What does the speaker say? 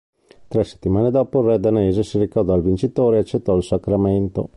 Tre settimane dopo il re danese si recò dal vincitore e accettò il sacramento.